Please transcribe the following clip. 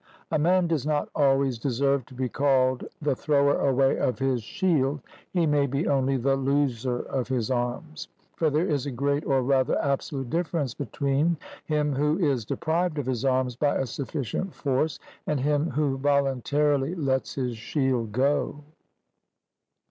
A man does not always deserve to be called the thrower away of his shield; he may be only the loser of his arms. For there is a great or rather absolute difference between him who is deprived of his arms by a sufficient force, and him who voluntarily lets his shield go.